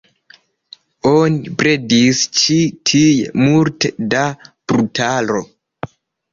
Oni bredis ĉi tie multe da brutaro.